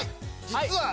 実は。